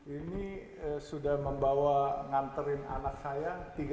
ini sudah membawa nganterin anak saya tiga tiganya sampai jadi sarjana semua di antar sekolah